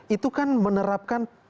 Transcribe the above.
itu kan menerapkan